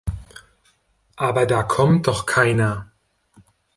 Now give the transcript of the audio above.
Aber da kommt doch keiner!